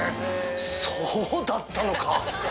そうだったのか！